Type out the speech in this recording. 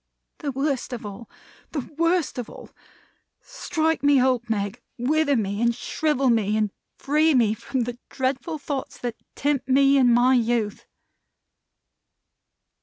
"The worst of all! The worst of all! Strike me old, Meg! Wither me and shrivel me, and free me from the dreadful thoughts that tempt me in my youth!"